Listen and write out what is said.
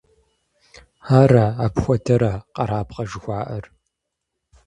Ара, апхуэдэра къэрабгъэ жыхуаӀэр?